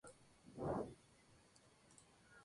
Esta fue una derrota aplastante para Leinster.